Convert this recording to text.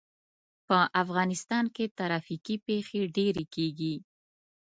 په افغانستان کې ترافیکي پېښې ډېرې کېږي.